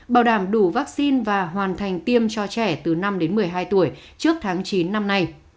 bảo đảm đủ vaccine và hoàn thành tiêm cho trẻ từ năm đến một mươi hai tuổi trước tháng chín năm nay